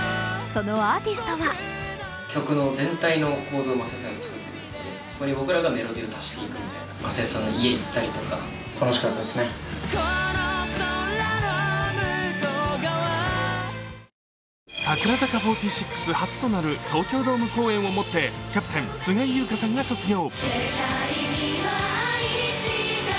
そのアーティストは櫻坂４６初となる東京ドーム公演をもってキャプテン・菅井友香さんが卒業。